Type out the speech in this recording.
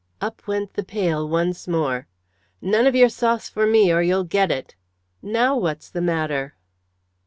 Up went the pail once more. "None of your sauce for me, or you'll get it. Now, what's the matter?"